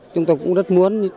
chúng tôi cũng rất muốn